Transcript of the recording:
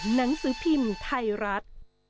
หนังสือพิมพ์ไทยรัฐ